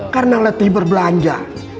karena letih berbelanja